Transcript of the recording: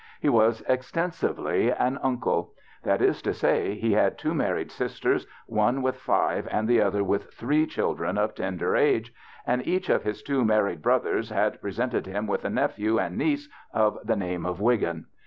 He was extensively an uncle. That is to say, he had two married sisters, one with five and the other with three children of tender age, and each of his two married brothers had present ed him with a nephew and niece of the name of Wiggin.